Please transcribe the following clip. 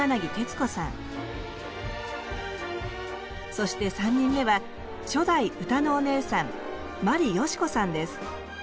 そして３人目は初代歌のお姉さん眞理ヨシコさんです。